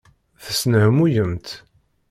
Tesnehmuyemt.